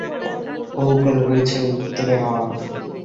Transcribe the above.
হু-হু করে বইছে উত্ত্বরে হাওয়া।